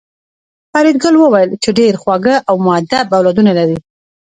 فریدګل وویل چې ډېر خواږه او مودب اولادونه لرې